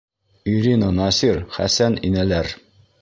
Ирина, Насир, Хәсән инәләр.